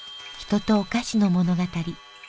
人とお菓子の物語。